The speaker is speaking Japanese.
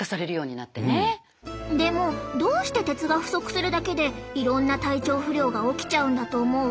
でもどうして鉄が不足するだけでいろんな体調不良が起きちゃうんだと思う？